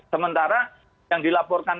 sementara yang dilaporkan